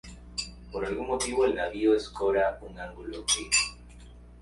Por algún motivo el navío escora un ángulo e.